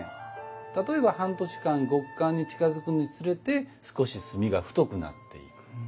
例えば半年間極寒に近づくにつれて少し炭が太くなっていく。